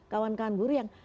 kawan kawan guru yang